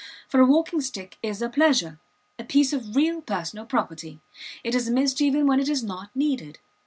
For a walking stick is a pleasure, a piece of real personal property; it is missed even when it is not needed.